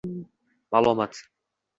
Malomat